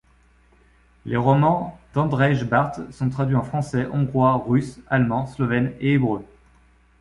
Les romans d'Andrzej Bart sont traduits en français, hongrois, russe, allemand, slovène et hébreu.